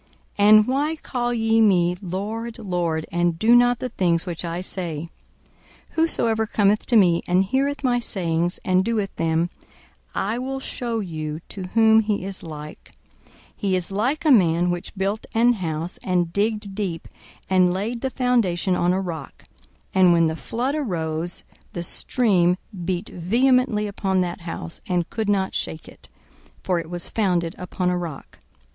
42:006:046 And why call ye me, Lord, Lord, and do not the things which I say? 42:006:047 Whosoever cometh to me, and heareth my sayings, and doeth them, I will shew you to whom he is like: 42:006:048 He is like a man which built an house, and digged deep, and laid the foundation on a rock: and when the flood arose, the stream beat vehemently upon that house, and could not shake it: for it was founded upon a rock.